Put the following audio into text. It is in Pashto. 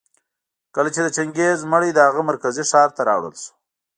کله چي د چنګېز مړى د هغه مرکزي ښار ته راوړل شو